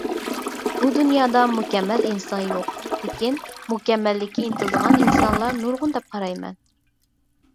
بۇ دۇنيادا مۇكەممەل ئىنسان يوق، لېكىن مۇكەممەللىككە ئىنتىلىدىغان ئىنسانلار نۇرغۇن دەپ قارايمەن.